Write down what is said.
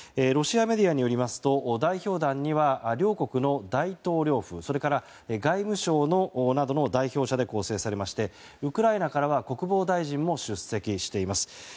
ロシアメディアによりますと代表団には両国の大統領府それから、外務省などの代表者で構成されましてウクライナからは国防大臣も出席しています。